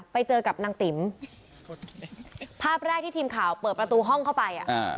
ไปเจอกับนางติ๋มภาพแรกที่ทีมข่าวเปิดประตูห้องเข้าไปอ่ะอ่า